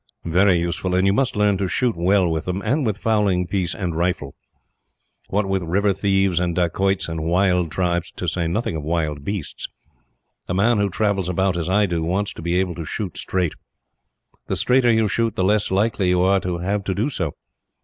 "Very useful; and you must learn to shoot well with them, and with fowling piece and rifle. What with river thieves, and dacoits, and wild tribes to say nothing of wild beasts a man who travels about, as I do, wants to be able to shoot straight. The straighter you shoot, the less likely you are to have to do so.